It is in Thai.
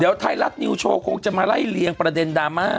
เดี๋ยวไทยรัฐนิวโชว์คงจะมาไล่เลียงประเด็นดราม่า